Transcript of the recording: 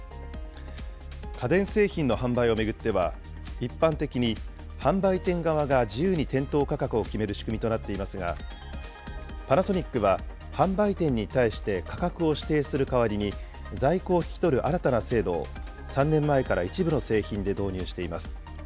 家電製品の販売を巡っては、一般的に販売店側が自由に店頭価格を決める仕組みとなっていますが、パナソニックは、販売店に対して価格を指定する代わりに、在庫を引き取る新たな制度を３年前から一部の製品で導入しています。